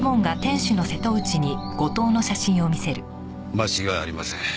間違いありません。